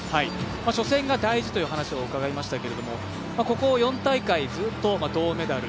初戦が大事という話を伺いましたけどもここ４大会ずっと銅メダル。